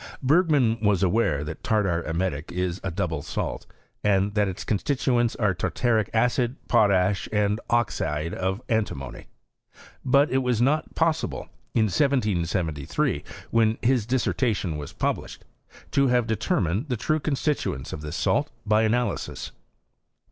Bergman was aware that tartar emetic is a double salt, and that its constituents are tartaric acid, potash, and oxide of antimony; but it was not possible, in 1773, when his dtsaertation was published, to have determined the true constitu ents of this salt by analysis, 7.